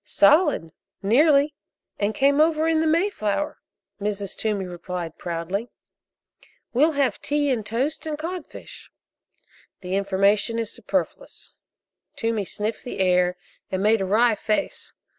"Solid, nearly, and came over in the Mayflower," Mrs. Toomey replied proudly. "We'll have tea and toast and codfish." "The information is superfluous." Toomey sniffed the air and made a wry face.